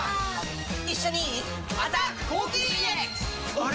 あれ？